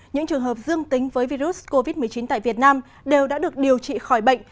những trường hợp dương tính với virus covid một mươi chín tại việt nam đều đã được điều trị khỏi bệnh